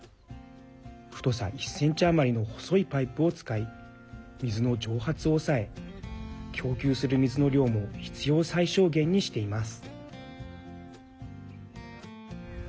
太さ１ｃｍ余りの細いパイプを使い水の蒸発を抑え供給する水の量も必要最小限にしています。